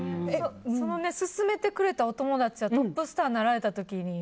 その勧めてくれたお友達はトップスターになられた時は？